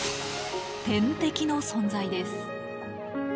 天敵の存在です。